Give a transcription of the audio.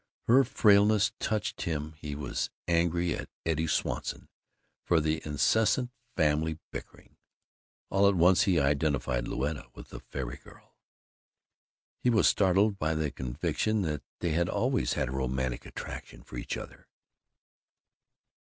Her frailness touched him; he was angry at Eddie Swanson for the incessant family bickering. All at once he identified Louetta with the fairy girl. He was startled by the conviction that they had always had a romantic attraction for each other.